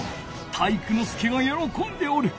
体育ノ介がよろこんでおる。